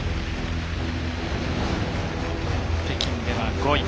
北京では５位。